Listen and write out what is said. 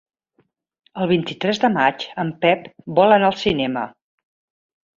El vint-i-tres de maig en Pep vol anar al cinema.